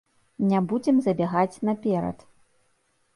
Не будзем забягаць наперад.